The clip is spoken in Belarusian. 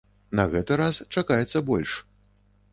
На гэты раз чакаецца больш.